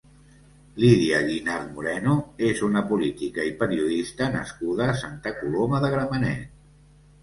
Lídia Guinart Moreno és una politica i periodista nascuda a Santa Coloma de Gramenet.